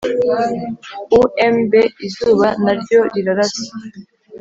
Umb izuba na ryo rirarasa